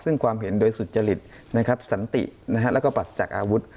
ซึ่งความเห็นโดยสุจริตสันติแล้วก็ปรัสจากอาวุธ